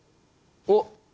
おっ！